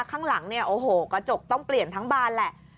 ข้างหลังเนี่ยโอ้โหกระจกต้องเปลี่ยนทั้งบานแหละ